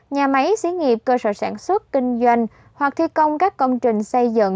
nhà máy xí nghiệp cơ sở sản xuất kinh doanh hoặc thi công các công trình xây dựng